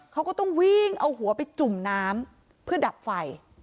เขาก็ต้องวิ่งเอาหัวไปจุ่มน้ำเพื่อดับไฟ